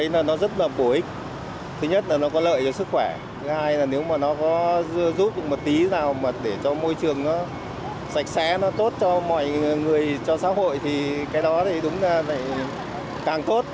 nên là rất nhiều người muốn đạp